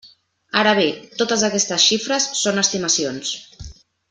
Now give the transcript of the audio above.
Ara bé, totes aquestes xifres són estimacions.